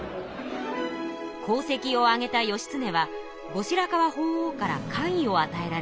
功績をあげた義経は後白河法皇から官位をあたえられました。